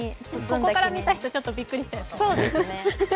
ここから見た人、ちょっとびっくりして。